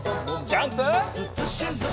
ジャンプ！